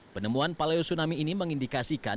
penemuan paleosunami ini mengindikasikan